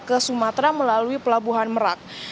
ke sumatera melalui pelabuhan merak